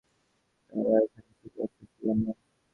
তারা এখানে ছিল, একটা পুরানো।